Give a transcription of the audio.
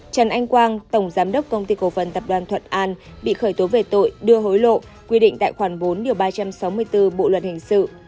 trần anh quang tổng giám đốc công ty cổ phần tập đoàn thuận an bị khởi tố về tội đưa hối lộ quy định tại khoản bốn ba trăm sáu mươi bốn bộ luật hình sự